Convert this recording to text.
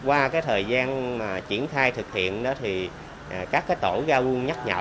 qua thời gian triển khai thực hiện các tổ ga quân nhắc nhở